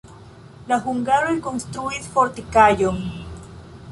La hungaroj konstruis fortikaĵon.